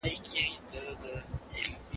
د مچانو مخنیوی څنګه کیږي؟